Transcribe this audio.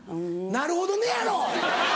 「なるほどね」やろ！